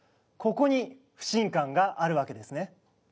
ここに不信感があるわけですね。